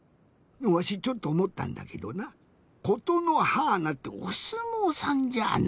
わしちょっとおもったんだけどな「ことのはーな」っておすもうさんじゃあない？